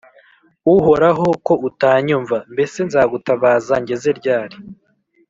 uhoraho ko utanyumva, mbese nzagutabaza ngeze ryari